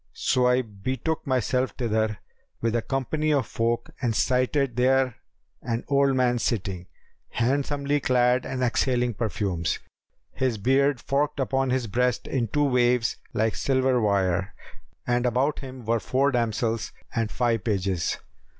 So I betook myself thither with a company of folk and sighted there an old man sitting, handsomely clad and exhaling perfumes. His beard forked upon his breast in two waves like silver wire, and about him were four damsels and five pages.